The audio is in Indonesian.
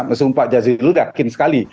meskipun pak jaziludakin sekali